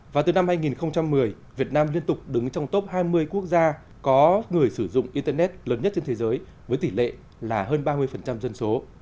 và từ năm hai nghìn một mươi việt nam liên tục đứng trong top hai mươi quốc gia có người sử dụng internet lớn nhất trên thế giới với tỷ lệ là hơn ba mươi dân số